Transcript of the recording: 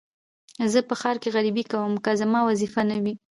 زه په ښار کې غريبي کوم که زما وظيفه نه وى.